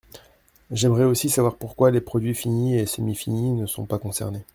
J’aimerais aussi savoir pourquoi les produits finis et semi-finis ne sont pas concernés.